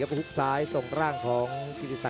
กันต่อแพทย์จินดอร์